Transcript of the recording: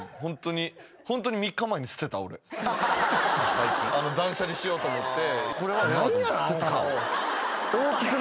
最近？断捨離しようと思って。